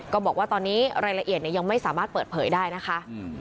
ก็บอกว่าตอนนี้รายละเอียดยังไม่สามารถเปิดเผยได้นะคะ